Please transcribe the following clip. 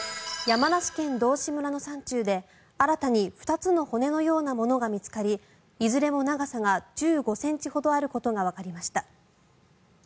山梨県道志村の山中で新たに２つの骨のようなものが見つかりいずれも長さが１５ｃｍほどあることがわかりました。